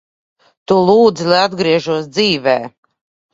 Tu lūdzi, lai atgriežos dzīvē.